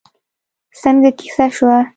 څنګه کېسه شوه؟